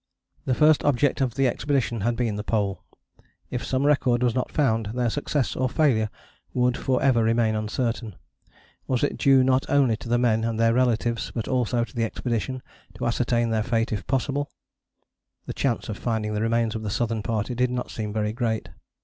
The first object of the expedition had been the Pole. If some record was not found, their success or failure would for ever remain uncertain. Was it due not only to the men and their relatives, but also to the expedition, to ascertain their fate if possible? The chance of finding the remains of the Southern Party did not seem very great.